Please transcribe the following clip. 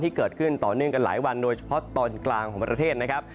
ที่เกิดขึ้นต่อเนื่องกันหลายวันโดยเฉพาะตอนกลางของประเทศนะครับ